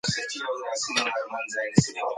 پاڼه باید سبا بیا دفتر ته لاړه شي.